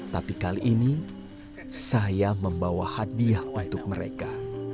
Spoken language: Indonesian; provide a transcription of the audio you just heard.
tapi kali ini saya membawa hadiah untuk mereka